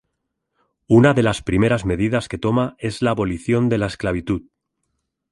Una de las primeras medidas que toma es la abolición de la esclavitud.